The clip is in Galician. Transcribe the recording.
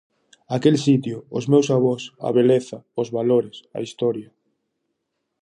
Aquel sitio, os meus avós, a beleza, os valores, a historia...